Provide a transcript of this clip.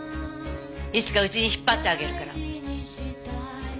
いつかうちに引っ張ってあげるから。